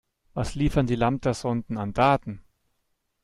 Was liefern die Lambda-Sonden an Daten?